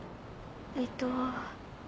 えっと。